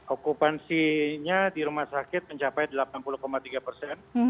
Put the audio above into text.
okupansinya di rumah sakit mencapai delapan puluh tiga persen